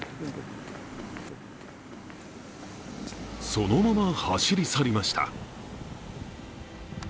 そのまま走り去りました。